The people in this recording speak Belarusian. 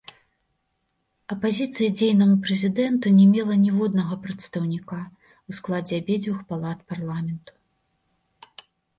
Апазіцыя дзейнаму прэзідэнту не мела ніводнага прадстаўніка ў складзе абедзвюх палат парламент.